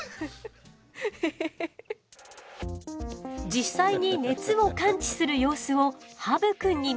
実際に熱を感知する様子をハブくんに見せてもらったわ。